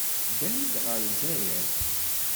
Ddant ɣer Lezzayer.